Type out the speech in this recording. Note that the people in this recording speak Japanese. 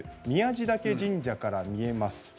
宮地嶽神社から見えます